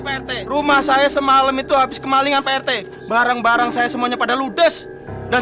pak rt rumah saya semalam itu habis kemalingan pak rt barang barang saya semuanya pada ludes dan